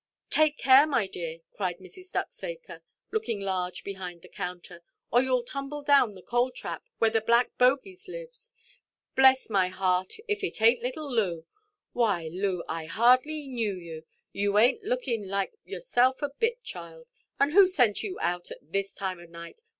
"Take care, my dear," cried Mrs. Ducksacre, looking large behind the counter, "or youʼll tumble down the coal–trap, where the black bogeys lives. Bless my heart, if it ainʼt little Loo! Why, Loo, I hardly knew you. You ainʼt looking like yourself a bit, child. And who sent you out at this time of night?